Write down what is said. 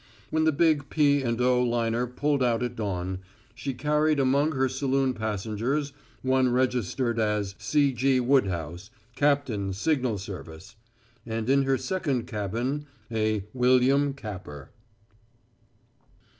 When the big P. & O. liner pulled out at dawn, she carried among her saloon passengers one registered as "C. G. Woodhouse, Capt. Sig. Service," and in her second cabin a "William Capper."